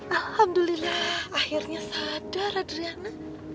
alhamdulillah akhirnya sadar adriana